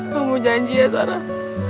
kamu janji ya sarah